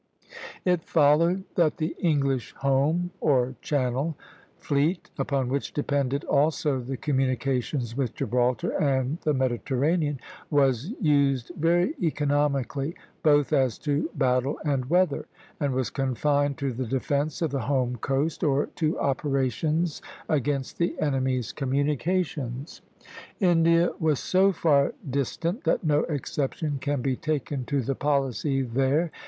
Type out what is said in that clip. It followed that the English home (or Channel) fleet, upon which depended also the communications with Gibraltar and the Mediterranean, was used very economically both as to battle and weather, and was confined to the defence of the home coast, or to operations against the enemy's communications. India was so far distant that no exception can be taken to the policy there.